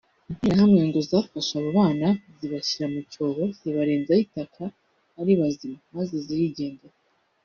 Interahamwe ngo zafashe abo bana zibashyira mu cyobo zibarenzaho itaka ari bazima maze zirigendera